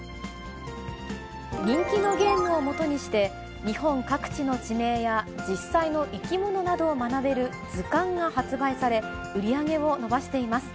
人気のゲームをもとにして、日本各地の地名や、実際の生き物などを学べる図鑑が発売され、売り上げを伸ばしています。